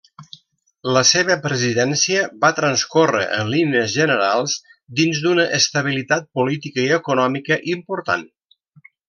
La seva presidència va transcórrer en línies generals dins d'una estabilitat política i econòmica important.